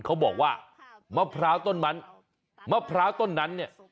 เขาบอกว่ามะพร้าวต้นนั้นมะพร้าวต้นนั้นเนี่ย